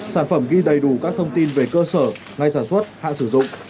sản phẩm ghi đầy đủ các thông tin về cơ sở ngày sản xuất hạn sử dụng